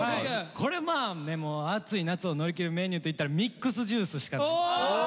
これまあねもうアツい夏を乗り切るメニューといったらミックスジュースしかないです。